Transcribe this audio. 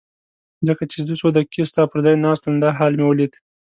ځکه چې زه څو دقیقې ستا پر ځای ناست وم دا حال مې ولید.